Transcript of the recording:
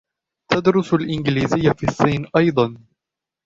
تُدرْسُ الإنجليزية في الصين أيضًا.